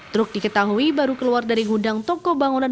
truk diketahui baru keluar dari gudang toko bangunan